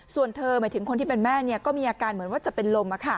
ส่วนเธอหมายถึงคนที่เป็นแม่ก็มีอาการเหมือนว่าจะเป็นลม